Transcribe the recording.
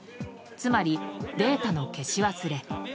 つまり、データの消し忘れ。